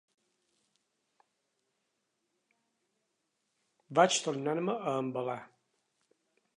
Vaig tornar-me a embalar.